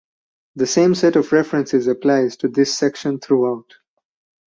The same set of references applies to this section throughout.